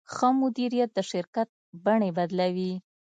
ښه مدیریت د شرکت بڼې بدلوي.